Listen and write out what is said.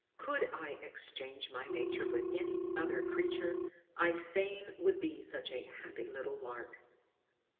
Could I exchange my nature with any other creature, I fain would be such a happy little lark!"